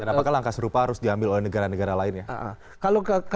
apakah langkah serupa harus diambil oleh negara negara lainnya